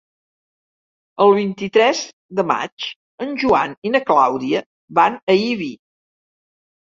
El vint-i-tres de maig en Joan i na Clàudia van a Ibi.